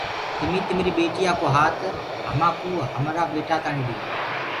تمي تمري ٻيتايا ڪو هآت هماڪوٚ هرآ تآڻيٚ ديئو۔